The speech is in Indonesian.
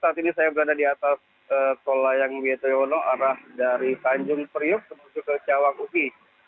saat ini saya berada di atas tol layang wiyotoyono arah dari tanjung priuk menuju ke cawang uki